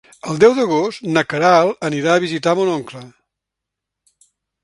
El deu d'agost na Queralt anirà a visitar mon oncle.